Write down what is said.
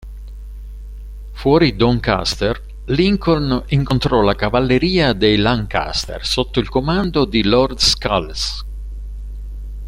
Fuori Doncaster, Lincoln incontrò la cavalleria dei Lancaster sotto il comando di lord Scales.